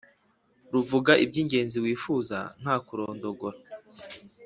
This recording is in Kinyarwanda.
ruvuga iby’ingenzi wifuza nta kurondogora.